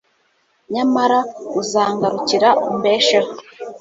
nyamara uzangarukira umbesheho